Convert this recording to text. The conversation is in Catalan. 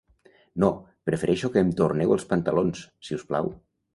No, prefereixo que em torneu els pantalons, si us plau.